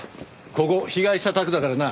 ここ被害者宅だからな。